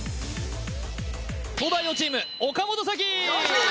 東大王チーム岡本沙紀